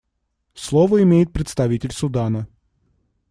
Слово имеет представитель Судана.